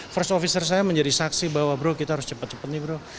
first officer saya menjadi saksi bahwa bro kita harus cepat cepat nih bro